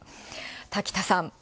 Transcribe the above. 滝田さん。